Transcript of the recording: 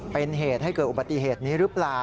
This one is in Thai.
เป็นเหตุให้เกิดอุบัติเหตุนี้หรือเปล่า